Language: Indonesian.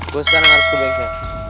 gue sekarang harus ke bengke